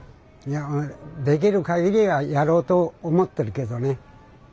できるかぎりはやろうと思ってるけどね。